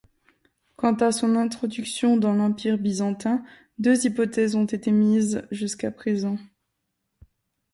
Quant à son introduction dans l'Empire byzantin, deux hypothèses ont été émises jusqu’à présent.